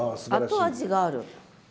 後味がある。